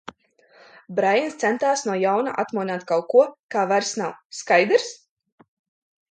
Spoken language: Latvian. Braiens centās no jauna atmodināt kaut ko, kā vairs nav, skaidrs?